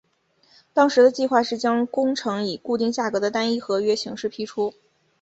当时的计划是将工程以固定价格的单一合约形式批出。